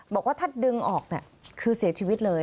บอกว่าถ้าดึงออกคือเสียชีวิตเลย